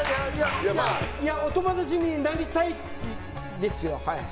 お友達になりたいですよ。